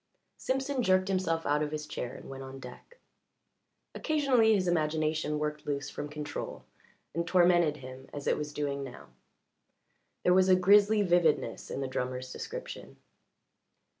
Simpson jerked himself out of his chair and went on deck. Occasionally his imagination worked loose from control and tormented him as it was doing now. There was a grizzly vividness in the drummer's description.